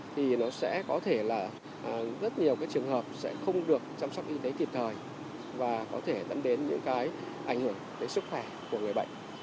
thì nó sẽ có thể là rất nhiều cái trường hợp sẽ không được chăm sóc y tế kịp thời và có thể dẫn đến những cái ảnh hưởng đến sức khỏe của người bệnh